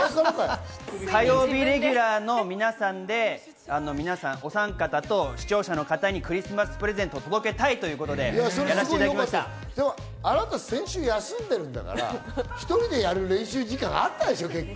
火曜日レギュラーの皆さんで、お三方と視聴者の方にクリスマスプレゼントを届けたいということあなた先週休んでるんだから、１人でやる練習時間あったでしょ。